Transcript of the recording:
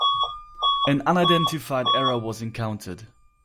An unidentified error was encountered.